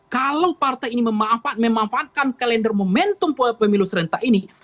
kalau partai ini memanfaatkan kalender momentum pemilu serentak ini